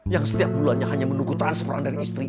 yang setiap bulannya hanya menunggu transferan dari istri